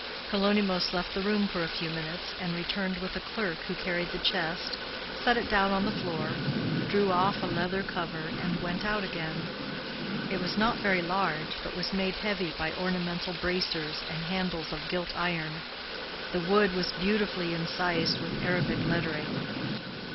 Kalonymos left the room for a few minutes, and returned with a clerk who carried the chest, set it down on the floor, drew off a leather cover, and went out again. It was not very large, but was made heavy by ornamental bracers and handles of gilt iron. The wood was beautifully incised with Arabic lettering.